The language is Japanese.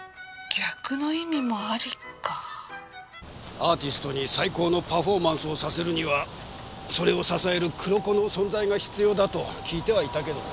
アーティストに最高のパフォーマンスをさせるにはそれを支える黒子の存在が必要だと聞いてはいたけどね。